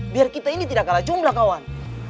biar kita ini tidak kalah jumlah kawan